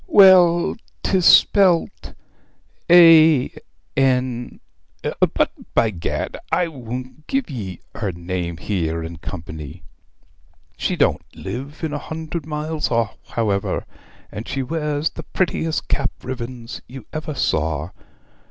Well, 'tis spelt, A, N but, by gad, I won't give ye her name here in company. She don't live a hundred miles off, however, and she wears the prettiest cap ribbons you ever saw.